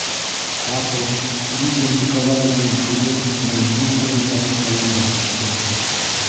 - Ҡапыл Лидия Николаевнаның күҙе Мәҙинә ҡулындағы ҡәләмгә төштө.